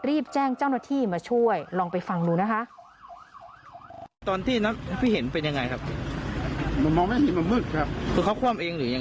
รีบแจ้งเจ้าหน้าที่มาช่วยลองไปฟังดูนะคะ